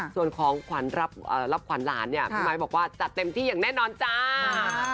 ส่วนของขวัญรับขวัญหลานเนี่ยพี่ไมค์บอกว่าจัดเต็มที่อย่างแน่นอนจ้า